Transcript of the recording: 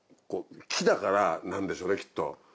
木だからなんでしょうねきっと。